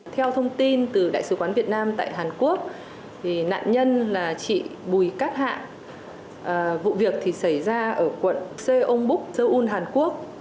theo thông tin từ đại sứ quán việt nam tại hàn quốc nạn nhân là chị bùi cát hạ vụ việc thì xảy ra ở quận cong búc seoul hàn quốc